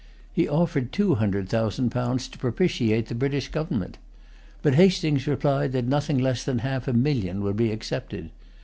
He offered two hundred thousand pounds to propitiate the British government. But Hastings replied that nothing less than half a million would be accepted.